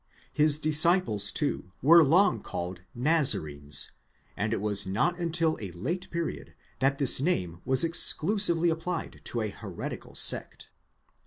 His disciples too were long called Nazarenes, and it was not until a late period that this name was exclusively applied to a heretical sect.